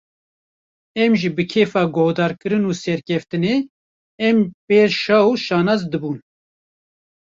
Em jî bi kêfa guhdarkirinê û serkeftinê em pê şa û şanaz dibûn